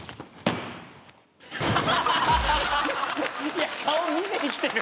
いや顔見せにきてる！